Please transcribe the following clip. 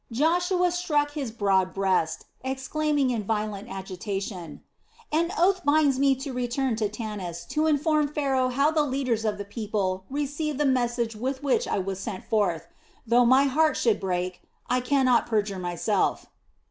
Joshua struck his broad breast, exclaiming in violent agitation: "An oath binds me to return to Tanis to inform Pharaoh how the leaders of the people received the message with which I was sent forth. Though my heart should break, I cannot perjure myself."